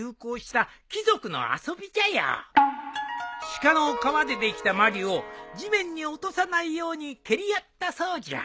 鹿の皮でできたまりを地面に落とさないように蹴り合ったそうじゃ。